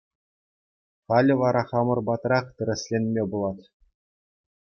Халӗ вара хамӑр патрах тӗрӗсленме пулать.